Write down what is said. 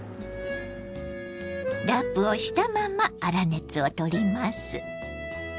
ラップをしたまま粗熱を取ります。